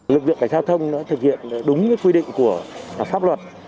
lực lượng cảnh sát giao thông đã thực hiện đúng quy định của pháp luật